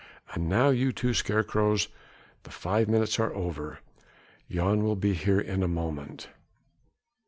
And now, you two scarecrows! the five minutes are over. Jan will be here in a moment."